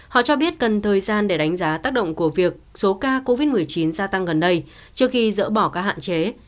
họ cho biết cần thời gian để đánh giá tác động của việc số ca covid một mươi chín gia tăng gần đây trước khi dỡ bỏ các hạn chế